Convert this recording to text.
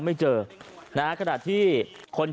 โอ้โหพังเรียบเป็นหน้ากล่องเลยนะครับ